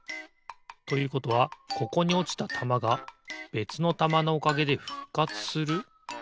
ということはここにおちたたまがべつのたまのおかげでふっかつする？